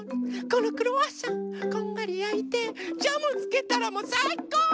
このクロワッサンこんがりやいてジャムつけたらもうさいこう！